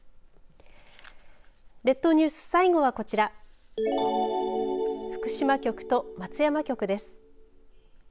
列島ニュース、最後はこちら福島局と松山局です。